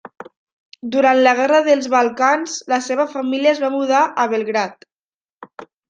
Durant la Guerra dels Balcans la seva família es va mudar a Belgrad.